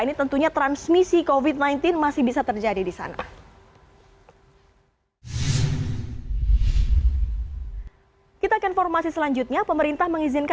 ini tentunya transmisi covid sembilan belas masih bisa terjadi di sana